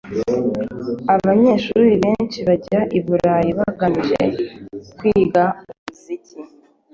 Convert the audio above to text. Abanyeshuri benshi bajya i Burayi bagamije kwiga umuziki